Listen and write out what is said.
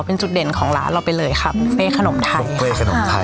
เป็นจุดเด่นของร้านเราไปเลยครับเฟ่ขนมไทยเป้ขนมไทย